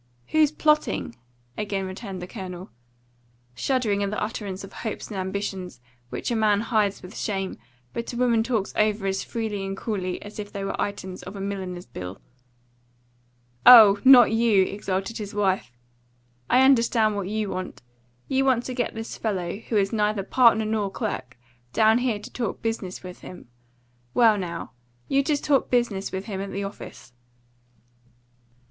"Who's plotting?" again retorted the Colonel, shuddering at the utterance of hopes and ambitions which a man hides with shame, but a woman talks over as freely and coolly as if they were items of a milliner's bill. "Oh, not you!" exulted his wife. "I understand what you want. You want to get this fellow, who is neither partner nor clerk, down here to talk business with him. Well, now, you just talk business with him at the office."